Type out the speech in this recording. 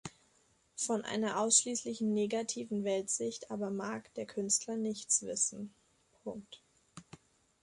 Von einer ausschließlich negativen Weltsicht aber mag der Künstler nichts wissen.